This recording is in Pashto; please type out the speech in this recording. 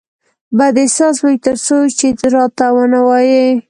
بد احساس به وي ترڅو چې راته ونه وایې